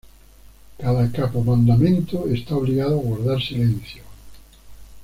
Cada capo-mandamento está obligado a guardar silencio.